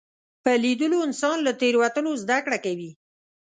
په لیدلو انسان له تېروتنو زده کړه کوي